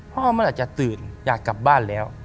พ่อเมื่อไหร่จะตื่นอยากกลับบ้านแล้ว